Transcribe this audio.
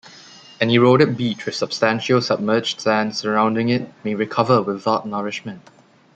An eroded beach with substantial submerged sand surrounding it may recover without nourishment.